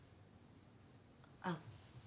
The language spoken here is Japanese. あっ。